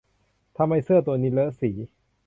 ทำไมเสื้อตัวนี้เลอะสี